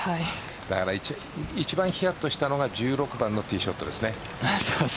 だから一番ひやっとしたのが１６番のティーショットですね。